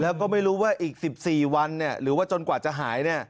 แล้วก็ไม่รู้ว่าอีก๑๔วันหรือว่าจนกว่าจะหาย